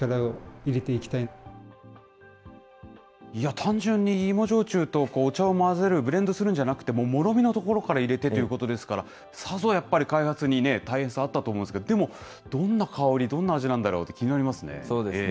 単純に芋焼酎とお茶を混ぜる、ブレンドするんじゃなくて、もうもろみのところから入れてということですから、さぞやっぱり開発に大変さあったと思うんですけど、でも、どんな香り、どんなそうですね。